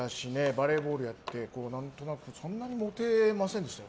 バレーボールやってそんなにモテませんでしたよ。